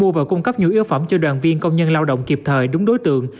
mua và cung cấp nhu yếu phẩm cho đoàn viên công nhân lao động kịp thời đúng đối tượng